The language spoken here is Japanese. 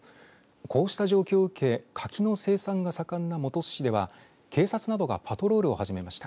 こうした状況を受け柿の生産が盛んな本巣市では警察などがパトロールを始めました。